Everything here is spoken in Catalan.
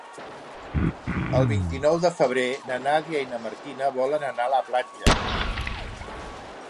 El vint-i-nou de febrer na Nàdia i na Martina volen anar a la platja.